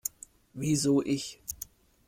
Wieso ich?